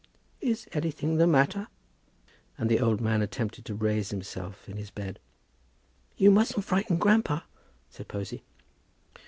"Is anything the matter?" And the old man attempted to raise himself in his bed. "You mustn't frighten grandpa," said Posy.